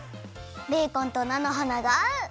ベーコンとなのはながあう！